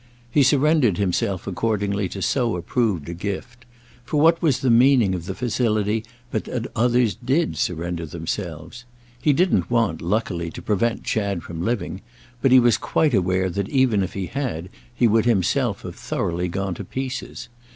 He surrendered himself accordingly to so approved a gift; for what was the meaning of the facility but that others did surrender themselves? He didn't want, luckily, to prevent Chad from living; but he was quite aware that even if he had he would himself have thoroughly gone to pieces.